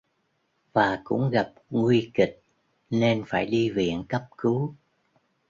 Và cũng gặp nguy kịch nên phải đi viện cấp cứu